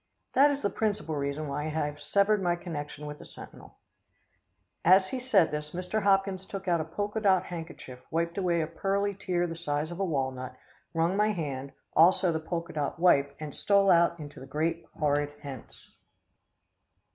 "That is the principal reason why I have severed my connection with the Sentinel." As he said this, Mr. Hopkins took out a polka dot handkerchief wiped away a pearly tear the size of a walnut, wrung my hand, also the polka dot wipe, and stole out into the great, horrid hence.